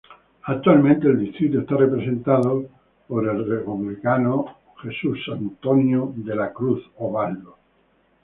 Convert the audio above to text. Actualmente el distrito está representado por el Republicano Adrian M. Smith.